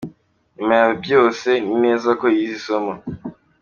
Nyuma ya byose, nzi neza ko yize isomo.